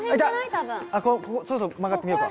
多分そろそろ曲がってみようか